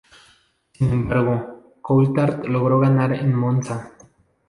Sin embargo, Coulthard logró ganar en Monza.